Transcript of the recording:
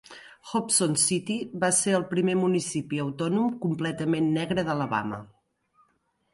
Hobson City va ser el primer municipi autònom completament negre d'Alabama.